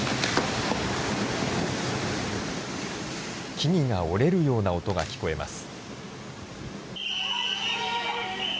木々が折れるような音が聞こえます。